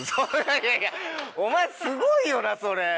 いやいやお前すごいよなそれ。